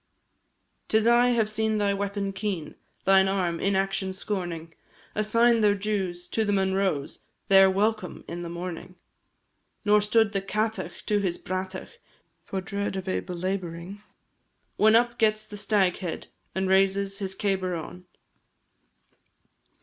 'Tis I have seen thy weapon keen, Thine arm, inaction scorning, Assign their dues to the Munroes, Their welcome in the morning. Nor stood the Cátach to his bratach For dread of a belabouring, When up gets the Staghead, And raises his cabar on.